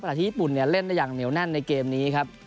ที่ญี่ปุ่นเนี่ยเล่นได้อย่างเหนียวแน่นในเกมนี้ครับ